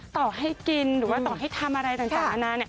ต่อให้กินหรือว่าต่อให้ทำอะไรต่างนานา